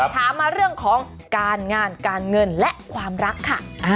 ถามมาเรื่องของการงานการเงินและความรักค่ะ